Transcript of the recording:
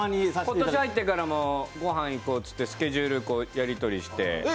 今年入ってからもご飯行こうと言ってスケジュールやり取りして。